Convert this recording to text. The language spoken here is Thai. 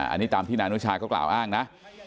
อันนี้ตามที่นายอนุชาเขากล่าวอ้างนะ